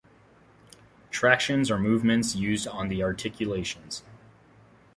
Tractions are movements used on the articulations.